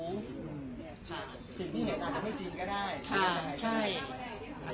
สิ่งที่เห็นอาจจะไม่จริงก็ได้